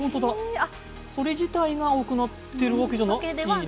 それ自体が青くなっているわけではないのか。